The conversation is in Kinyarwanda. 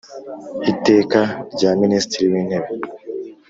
Iteka rya Minisitiri w Intebe